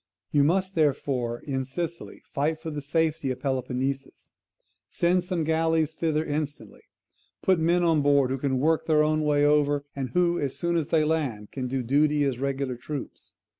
You must, therefore, in Sicily fight for the safety of Peloponnesus. Send some galleys thither instantly. Put men on board who can work their own way over, and who, as soon as they land, can do duty as regular troops.